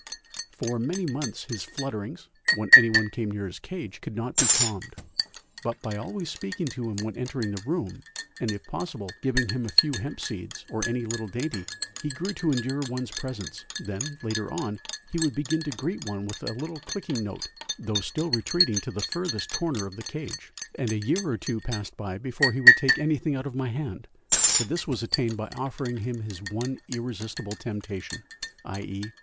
For many months his flutterings, when any one came near his cage, could not be calmed, but by always speaking to him when entering the room, and if possible giving him a few hemp seeds or any little dainty, he grew to endure one's presence; then, later on, he would begin to greet one with a little clicking note, though still retreating to the furthest corner of the cage, and a year or two passed by before he would take anything out of my hand, but this was attained by offering him his one irresistible temptation, _i.e.